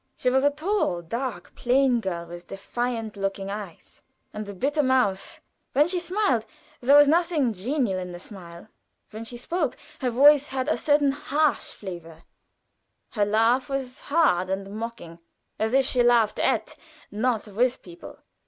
She was a tall, dark, plain girl, with large, defiant looking eyes, and a bitter mouth; when she smiled there was nothing genial in the smile. When she spoke, her voice had a certain harsh flavor; her laugh was hard and mocking as if she laughed at, not with, people.